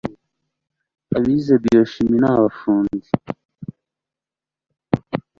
Abize BioChimie ni abafundi